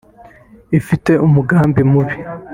Ifite umugambi mubi